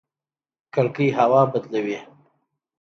کړکۍ هوا بدلوي